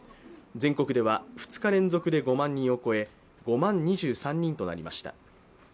全国では２日連続で５万２３人となりました。